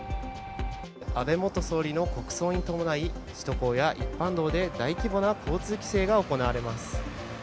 安倍元総理の国葬に伴い首都高や一般道で大規模な交通規制が行われます。